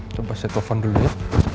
coba saya telfon dulu ya